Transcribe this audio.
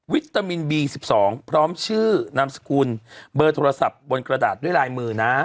ตามินบี๑๒พร้อมชื่อนามสกุลเบอร์โทรศัพท์บนกระดาษด้วยลายมือนะ